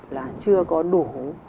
là chưa có đủ